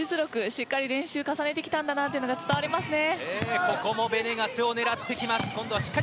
しっかり練習を重ねてきたのが伝わりますね。